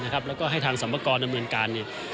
แล้วก็ให้ทางสรรพากรดำเนินการ